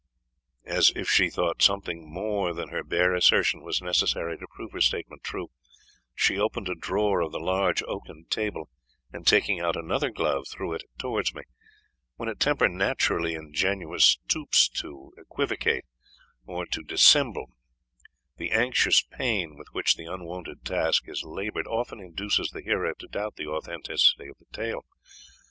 As if she thought something more than her bare assertion was necessary to prove her statement true, she opened a drawer of the large oaken table, and taking out another glove, threw it towards me. When a temper naturally ingenuous stoops to equivocate, or to dissemble, the anxious pain with which the unwonted task is laboured, often induces the hearer to doubt the authenticity of the tale.